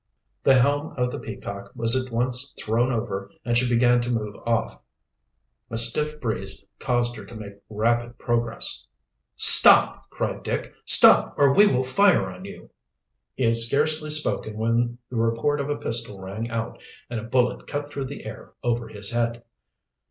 The helm of the Peacock was at once thrown over, and she began to move off. A stiff breeze caused her to make rapid progress. "Stop!" cried Dick. "Stop, or we will fire on you!" He had scarcely spoken when the report of a pistol rang out and a bullet cut through the air over his head.